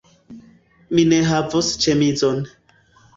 Mi ne havos ĉemizon